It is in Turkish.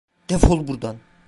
Defol buradan!